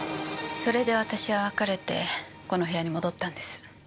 それで私は別れてこの部屋に戻ったんです。